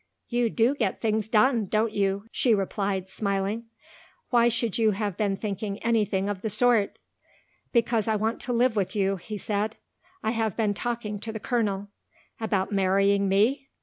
"You do get things done, don't you?" she replied, smiling. "Why should you have been thinking anything of the sort?" "Because I want to live with you," he said; "I have been talking to the colonel." "About marrying me?"